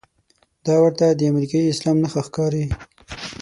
دا ورته د امریکايي اسلام نښه ښکاري.